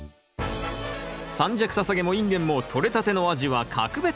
三尺ササゲもインゲンもとれたての味は格別。